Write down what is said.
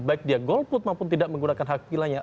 baik dia golput maupun tidak menggunakan hak pilihnya